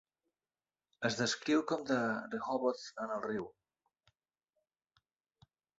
Es descriu com de "Rehoboth en el riu".